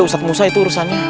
ustadz musa itu urusannya